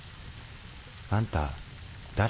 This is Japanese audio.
あんた誰？